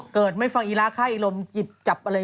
เกิดไม่ฟังอิราค่าอิรมหยิบจับอะไร